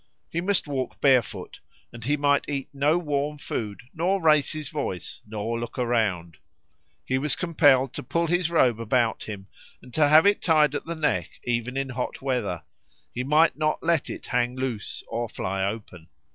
He must walk barefoot, and he might eat no warm food, nor raise his voice, nor look around. He was compelled to pull his robe about him and to have it tied at the neck even in hot weather; he might not let it hang loose or fly open.